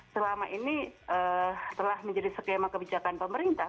selama ini telah menjadi skema kebijakan pemerintah